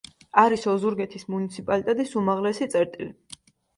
არის ოზურგეთის მუნიციპალიტეტის უმაღლესი წერტილი.